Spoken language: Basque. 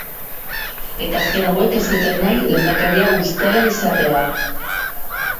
Eta azken hauek ez zuten nahi lehendakaria ustela izatea.